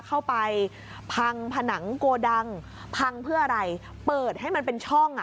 เข้าไปพังผนังโกดังพังเพื่ออะไรเปิดให้มันเป็นช่องอ่ะ